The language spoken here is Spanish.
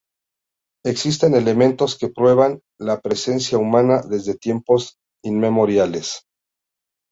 Existen elementos que prueban la presencia humana desde tiempos inmemoriales.